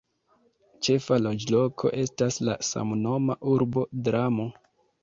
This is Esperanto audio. Ĉefa loĝloko estas la samnoma urbo "Dramo".